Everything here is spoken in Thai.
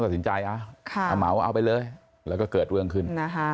ตัดสินใจเอาเหมาเอาไปเลยแล้วก็เกิดเรื่องขึ้น